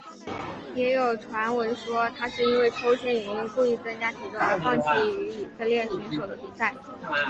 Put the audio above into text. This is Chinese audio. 也有传闻说他是因为抽签原因故意增加体重而放弃与以色列选手的比赛。